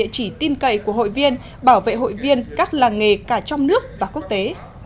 chỉ tin cậy của hội viên bảo vệ hội viên các làng nghề cả trong nước và quốc tế